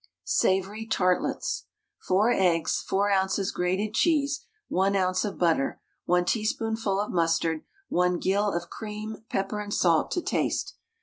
SAVOURY TARTLETS. 4 eggs, 4 oz. grated cheese, 1 oz. of butter, 1 teaspoonful of mustard, 1 gill of cream, pepper and salt to taste.